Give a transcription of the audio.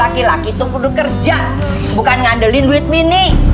laki laki itu perlu kerja bukan ngandelin duit mini